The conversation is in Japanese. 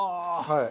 はい。